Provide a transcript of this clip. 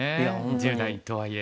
１０代とはいえ。